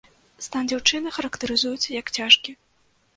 Стан дзяўчынкі характарызуецца як цяжкі.